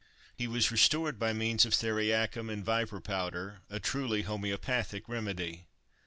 He was restored by means of theriacum and viper powder—a truly homeopathic remedy!